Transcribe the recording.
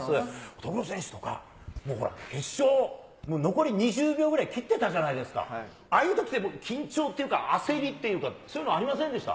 乙黒選手とか、もうほら、決勝、残り２０秒ぐらい切ってたじゃないですか、ああいうときって緊張っていうか、焦りっていうか、そういうのありませんでした？